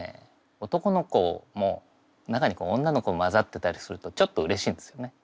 男の子も中に女の子交ざってたりするとちょっとうれしいんですよね。